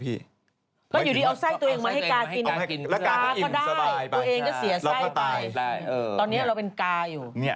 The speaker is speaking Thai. เผาไฟเลยอย่าเอาออกไม่หลงไป